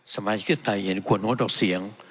สมาชิกท่านใดเห็นควรงดออกเสียง